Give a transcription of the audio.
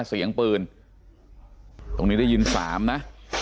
เสียงปืนตรงนี้ได้ยินสามนะ